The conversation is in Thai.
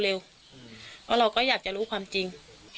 เราก็อยากจะรู้ความจริง